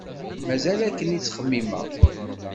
Mazal akken i ttxemmimeɣ.